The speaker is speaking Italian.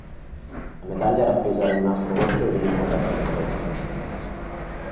La medaglia era appesa ad un nastro rosso e veniva portata sul petto.